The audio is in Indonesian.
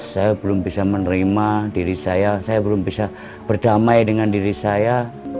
saya belum bisa menerima diri saya saya belum bisa berdamai dengan diri saya